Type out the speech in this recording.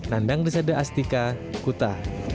nandang desada astika kuta